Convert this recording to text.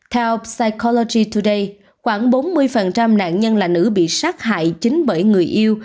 theo clogy today khoảng bốn mươi nạn nhân là nữ bị sát hại chính bởi người yêu